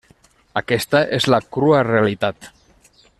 Aquesta és la crua realitat.